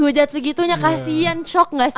hujat segitunya kasian shock gak sih